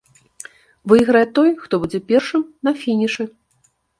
Выйграе той, хто будзе першым на фінішы.